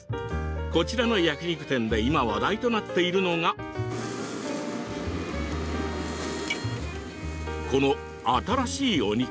こちらの焼き肉店で今、話題となっているのがこの新しいお肉。